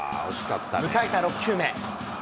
迎えた６球目。